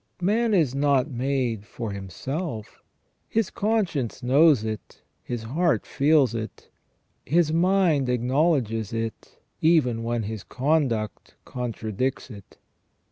Man is not made for himself: his conscience knows it, his heart feels it, his mind acknowledges it even when his conduct contradicts it.